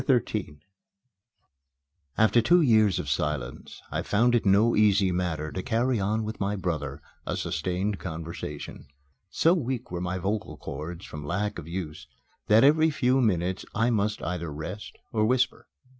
XIII After two years of silence I found it no easy matter to carry on with my brother a sustained conversation. So weak were my vocal cords from lack of use that every few minutes I must either rest or whisper.